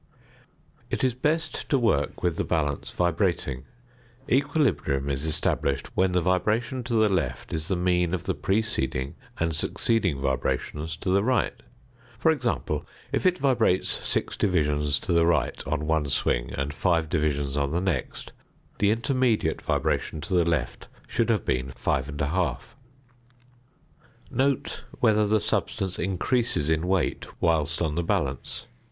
It is best to work with the balance vibrating; equilibrium is established when the vibration to the left is the mean of the preceding and succeeding vibrations to the right. For example, if it vibrates 6 divisions to the right on one swing, and 5 divisions on the next, the intermediate vibration to the left should have been 5 1/2. Note whether the substance increases in weight whilst on the balance.